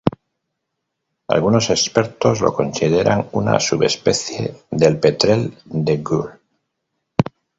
Algunos expertos lo consideran una subespecie del petrel de Gould.